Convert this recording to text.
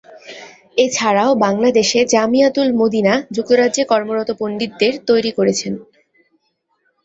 এছাড়াও বাংলাদেশে জামিয়া-তুল-মদিনা যুক্তরাজ্যে কর্মরত পণ্ডিতদের তৈরি করেছেন।